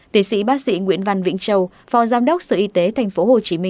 tiến sĩ bác sĩ nguyễn văn vĩnh châu phó giám đốc sở y tế tp hcm